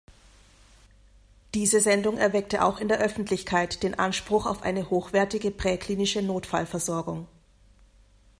Diese Sendung erweckte auch in der Öffentlichkeit den Anspruch auf eine hochwertige präklinische Notfallversorgung.